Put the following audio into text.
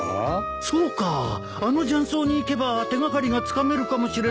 そうかあのジャン荘に行けば手掛かりがつかめるかもしれないな。